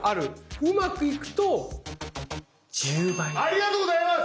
ありがとうございます！